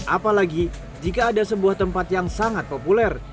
apalagi jika ada sebuah tempat yang sangat populer